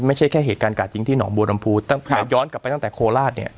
ไม่ใช่แค่เหตุการณ์การยิงที่หนองบวรรมภูตครับย้อนกลับไปตั้งแต่โคลาสเนี้ย